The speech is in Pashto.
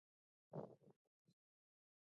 له هر چا د ريښتيا ويلو تمه مکوئ